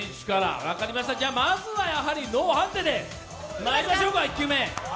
まずはノーハンデでまいりましょうか、１球目。